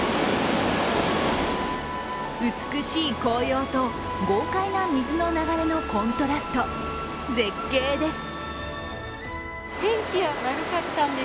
美しい紅葉と豪快な水の流れのコントラスト、絶景です。